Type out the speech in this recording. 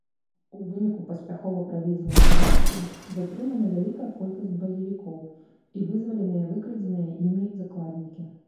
У выніку паспяхова праведзенай аперацыі затрымана вялікая колькасць баевікоў і вызваленыя выкрадзеныя імі закладнікі.